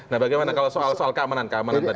nah bagaimana soal keamanan tadi